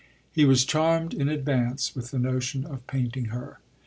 He was charmed in advance with the notion of painting her.